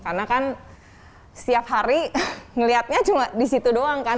karena kan setiap hari ngeliatnya cuma di situ doang kan